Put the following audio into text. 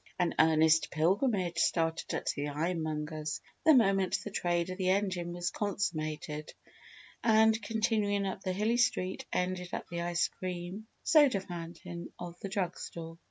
An earnest pilgrimage started at the ironmonger's the moment the trade of the engine was consummated, and continuing up the hilly street ended at the ice cream soda fountain of the drug store.